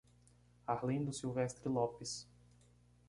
Arlindo Silvestre Lopes